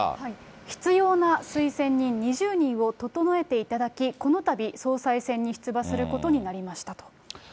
必要な推薦人２０人を整えていただき、このたび総裁選に出馬することになりましたと。